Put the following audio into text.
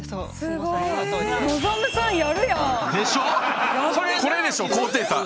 でしょ！